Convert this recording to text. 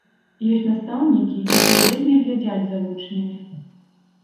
Ёсць настаўнікі, якія вельмі глядзяць за вучнямі.